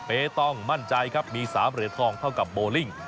ต้องมั่นใจครับมี๓เหรียญทองเท่ากับโบลิ่ง